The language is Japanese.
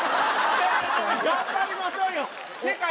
頑張りましょうよ。